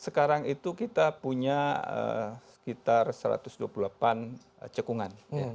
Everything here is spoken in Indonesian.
sekarang itu kita punya sekitar satu ratus dua puluh delapan cekungan